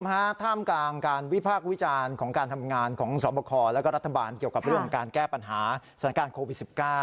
ท่ามกลางการวิพากษ์วิจารณ์ของการทำงานของสอบคอแล้วก็รัฐบาลเกี่ยวกับเรื่องของการแก้ปัญหาสถานการณ์โควิด๑๙